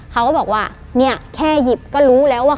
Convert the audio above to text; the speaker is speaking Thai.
เขาก็บอกว่าเนี่ยแค่หยิบก็รู้แล้วว่า